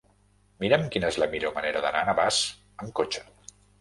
Mira'm quina és la millor manera d'anar a Navàs amb cotxe.